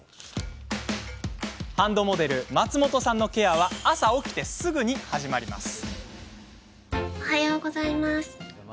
ハンドモデルの松本さんのケアは朝起きてすぐに始まります。